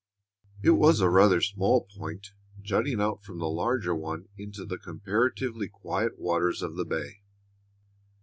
It was a rather small point, jutting out from the larger one into the comparatively quiet waters of the bay.